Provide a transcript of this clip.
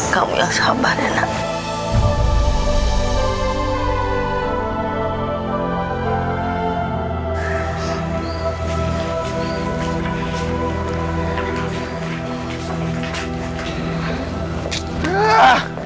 kamu yang sabar ya nak